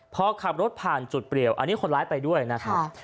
พอขับรถผ่านจุดเปรียวอันนี้คนร้ายไปด้วยนะครับ